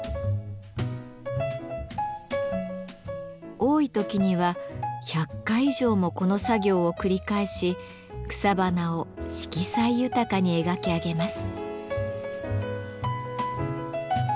多い時には１００回以上もこの作業を繰り返し草花を色彩豊かに描き上げます。